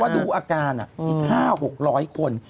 ดูอาการอีก๕๖๐๐คน